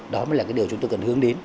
đó mới là cái điều chúng tôi cần hướng đến